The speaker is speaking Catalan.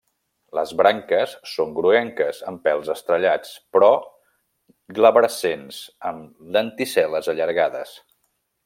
Les branques són groguenques amb pèls estrellats però glabrescents, amb lenticel·les allargades.